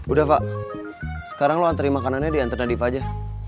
udah fak sekarang lo anterin makanannya diantar nadif aja